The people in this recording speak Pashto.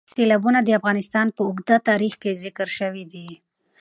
سیلابونه د افغانستان په اوږده تاریخ کې ذکر شوي دي.